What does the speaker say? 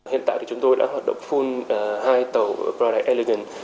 hiện tại thì chúng tôi đã hoạt động full hai tàu paradise elegant